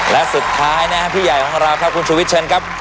และสุดท้ายนะครับพี่ใหญ่ของเราครับคุณชูวิทยเชิญครับ